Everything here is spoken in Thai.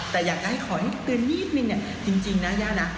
แต่อยากให้ขอให้เตือนนิดนึงเนี่ยจริงนะย่านะ